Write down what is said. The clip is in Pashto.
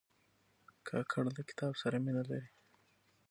کاکړ له کتاب سره مینه لري.